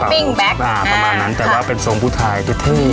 ประมาณนั้นแต่ว่าเป็นสรงพูทายิดเท่